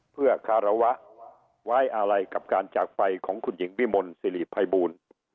เพื่อฆารวะว้ายอาลัยกับการจากไปของคุณหญิงวิมลสิริไพบูล